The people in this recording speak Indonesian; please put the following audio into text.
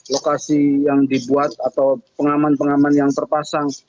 lokasi yang dibuat atau pengaman pengaman yang terpasang